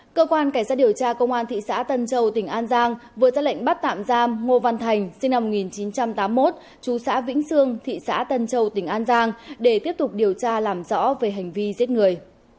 cơ quan cảnh sát điều tra công an thị xã tân châu tỉnh an giang vừa ra lệnh bắt tạm giam ngô văn thành sinh năm một nghìn chín trăm tám mươi một chú xã vĩnh sương thị xã tân châu tỉnh an giang để tiếp tục điều tra làm rõ về hành vi giết người